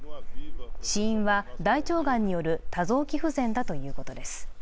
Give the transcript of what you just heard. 死因は大腸がんになる多臓器不全だということです。